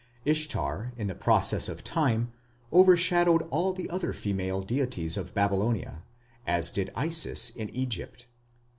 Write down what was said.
Ishtar in the process of time overshadowed all the other female deities of Babylonia, as did Isis in Egypt.